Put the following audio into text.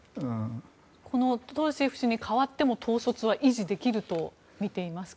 このトロシェフ氏に代わっても統率は維持できるとみていますか。